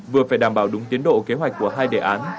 vừa phải đảm bảo đúng tiến độ kế hoạch của hai đề án